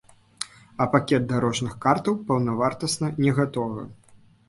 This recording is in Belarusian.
А пакет дарожных картаў паўнавартасна не гатовы.